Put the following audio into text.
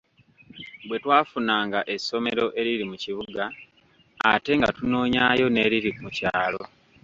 Bwe twafunanga essomero eriri mu kibuga, ate nga tunoonyaayo n’erili mu kyalo.